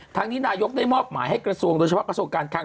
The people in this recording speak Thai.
ทางนี้นายกได้มอบหมายให้กระทรวงโดยเฉพาะกระทรวงการคัง